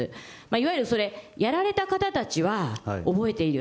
いわゆるそれ、やられた方たちは覚えている。